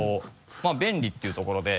まぁ便利っていうところで。